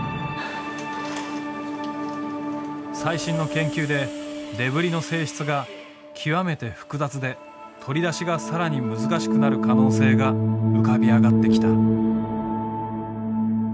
最新の研究でデブリの性質が極めて複雑で取り出しが更に難しくなる可能性が浮かび上がってきた。